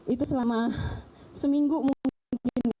itu selama seminggu mungkin